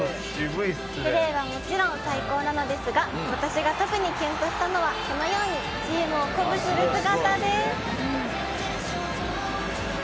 「プレーはもちろん最高なのですが私が特にキュンとしたのはこのようにチームを鼓舞する姿です！」